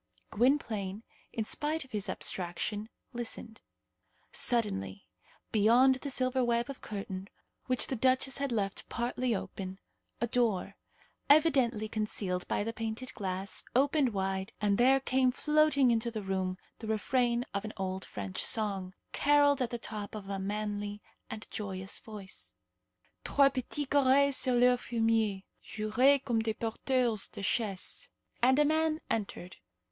Gwynplaine, in spite of his abstraction, listened. Suddenly, beyond the silver web of curtain which the duchess had left partly open, a door, evidently concealed by the painted glass, opened wide, and there came floating into the room the refrain of an old French song, carolled at the top of a manly and joyous voice, "Trois petits gorets sur leur fumier Juraient comme de porteurs de chaise," and a man entered.